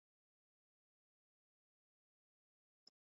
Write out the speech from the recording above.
Tunisia ni nchi ndogo ya Kiarabu kutoka Afrika Kaskaizni